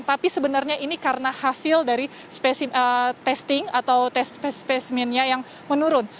tapi sebenarnya ini karena hasil dari testing atau tes spesimennya yang menurun